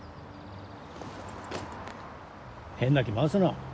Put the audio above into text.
変な気回すな。